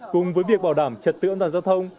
cùng với việc bảo đảm trật tự an toàn giao thông